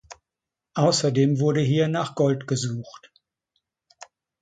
Außerdem wurde hier nach Gold gesucht.